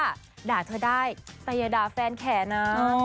ด่าเธอได้แต่อย่าด่าแฟนแขนนะ